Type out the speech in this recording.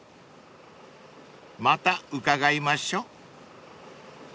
［また伺いましょ］